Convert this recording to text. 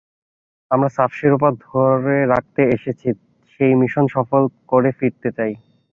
আমরা সাফ শিরোপা ধরে রাখতে এসেছি, সেই মিশন সফল করে ফিরতে চাই।